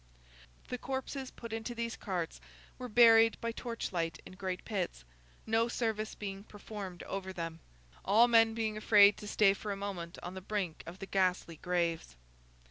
The corpses put into these carts were buried by torchlight in great pits; no service being performed over them; all men being afraid to stay for a moment on the brink of the ghastly graves.